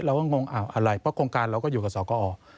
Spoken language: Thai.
งงอะไรเพราะโครงการเราก็อยู่กับสกอ